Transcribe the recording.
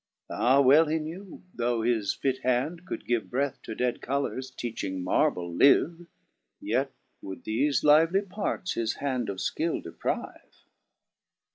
Ah ! well he knew, though his fit hand could give Breath to dead colours, teaching marble live. Yet would thefe lively parts his hand of (kill deprive.